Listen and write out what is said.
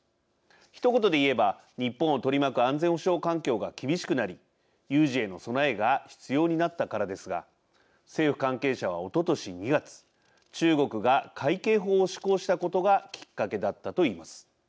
ひと言で言えば、日本を取り巻く安全保障環境が厳しくなり有事への備えが必要になったからですが政府関係者は、おととし２月中国が海警法を施行したことがきっかけだったと言います。